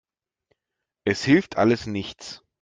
Es hilft alles nichts.